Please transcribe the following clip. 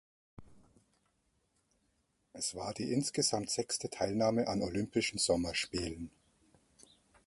Es war die insgesamt sechste Teilnahme an Olympischen Sommerspielen.